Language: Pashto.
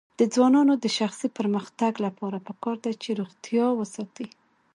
د ځوانانو د شخصي پرمختګ لپاره پکار ده چې روغتیا وساتي.